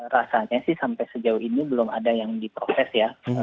rasanya sih sampai sejauh ini belum ada yang diproses ya